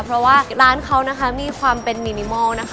เพราะว่าร้านเขานะคะมีความเป็นมินิมอลนะคะ